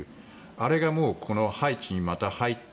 あれがもうこのハイチにまた入って